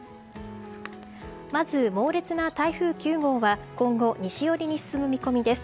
まず、猛烈な台風９号は今後、西寄りに進む見込みです。